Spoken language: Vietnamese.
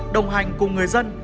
đồng hành cùng người dân